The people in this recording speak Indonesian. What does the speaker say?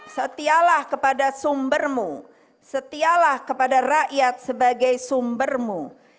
setialah kepada sumbermu setialah kepada rakyat sebagai sumbermu